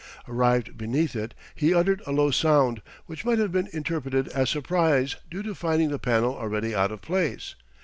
Arrived beneath it he uttered a low sound which might have been interpreted as surprise due to finding the panel already out of place.